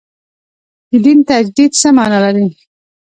د دین تجدید څه معنا لري.